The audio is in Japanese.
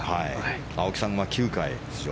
青木さんは９回出場。